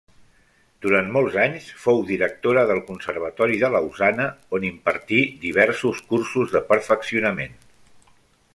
Durant molts anys fou directora del Conservatori de Lausana, on impartí diversos cursos de perfeccionament.